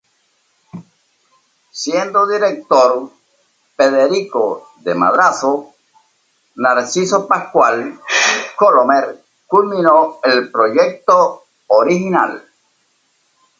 Siendo director Federico de Madrazo, Narciso Pascual Colomer culminó el proyecto original.